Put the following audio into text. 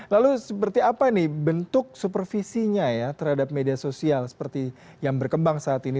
lalu seperti apa bentuk supervisinya terhadap media sosial yang berkembang saat ini